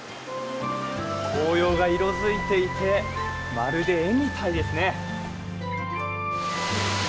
紅葉が色づいていて、まるで絵みたいですね。